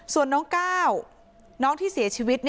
ส่วนน้องก้าวน้องที่เสียชีวิต